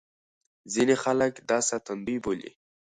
ځينې خلک دا ساتندوی بولي.